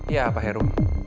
ya pak heru